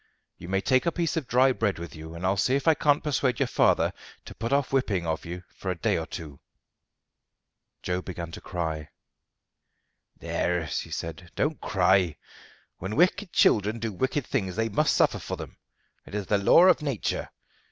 "You may take a piece of dry bread with you, and I'll see if I can't persuade your father to put off whipping of you for a day or two." Joe began to cry. "There," she said, "don't cry. When wicked children do wicked things they must suffer for them. It is the law of nature.